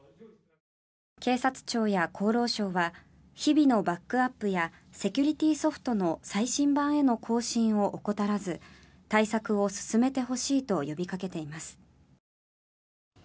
警察庁や厚労省は日々のバックアップやセキュリティーソフトの最新版への更新を怠らず対策を進めてほしいと呼びかけています。